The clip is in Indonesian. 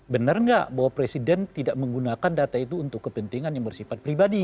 benar nggak bahwa presiden tidak menggunakan data itu untuk kepentingan yang bersifat pribadi